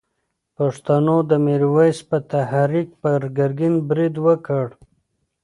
پښتنو د میرویس په تحریک پر ګرګین برید وکړ.